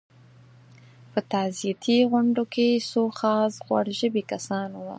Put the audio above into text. په تعزیتي غونډو کې څو خاص غوړ ژبي کسان وو.